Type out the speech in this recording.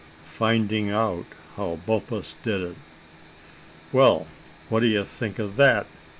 FINDING OUT HOW BUMPUS DID IT. "Well, what d'ye think of that?"